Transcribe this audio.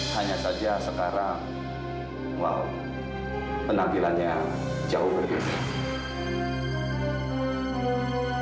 hanya saja sekarang wow penampilannya jauh lebih